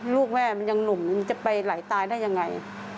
ลูกแม่มันยังหนุ่มมันจะไปไหลตายได้ยังไง